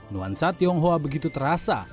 nuansa tionghoa begitu terasa